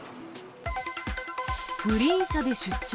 グリーン車で出張。